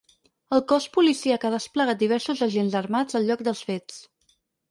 El cos policíac ha desplegat diversos agents armats al lloc dels fets.